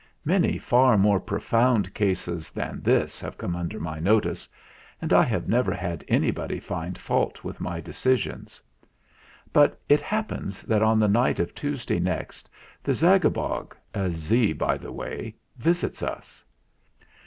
Many far more pro found cases than this have come under my notice, and I have never had anybody find fault with my decisions. But it happens that on the night of Tuesday next the Zagabog a 'z/ by the way visits us.